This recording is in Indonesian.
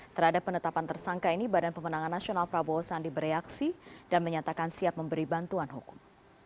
terhadap penetapan tersangka ini badan pemenangan nasional prabowo sandi bereaksi dan menyatakan siap memberi bantuan hukum